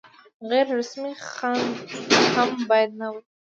غیر رسمي خنډ هم باید نه وي.